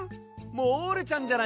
モールちゃんじゃないか。